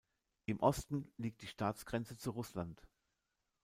Im Osten liegt die Staatsgrenze zu Russland.